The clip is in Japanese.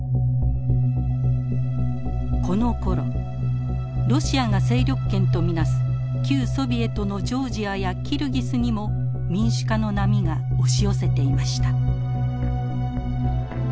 このころロシアが勢力圏と見なす旧ソビエトのジョージアやキルギスにも民主化の波が押し寄せていました。